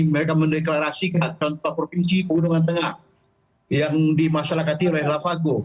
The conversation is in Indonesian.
mereka mendeklarasikan contohnya provinsi punggungan tengah yang dimasyarakati oleh lafago